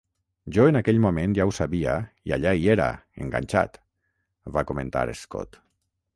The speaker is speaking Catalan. "Jo en aquell moment ja ho sabia i allà hi era, enganxat", va comentar Scott.